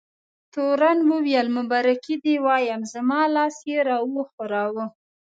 تورن وویل: مبارکي دې وایم، زما لاس یې را وښوراوه.